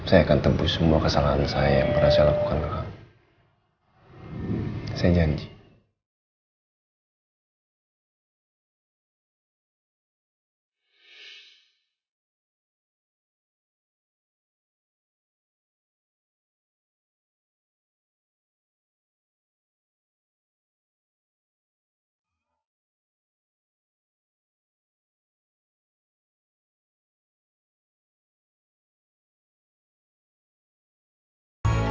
saya akan tembus semua kesalahan saya yang berhasil lakukan ke kamu